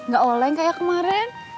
gak oleng kayak kemarin